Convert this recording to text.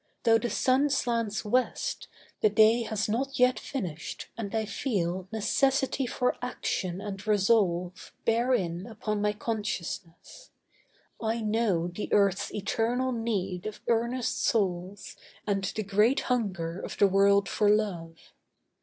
Though the sun slants west, The day has not yet finished, and I feel Necessity for action and resolve Bear in upon my consciousness. I know The earth's eternal need of earnest souls, And the great hunger of the world for Love.